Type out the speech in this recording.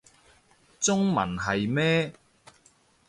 中文係咩